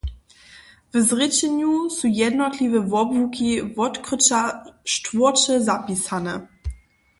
W zrěčenju su jednotliwe wobłuki wotkryća štwórće zapisane.